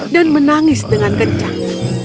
dan menangis dengan kencang